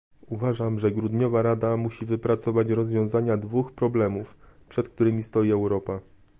Uważam, że grudniowa Rada musi wypracować rozwiązania dwóch problemów, przed którymi stoi Europa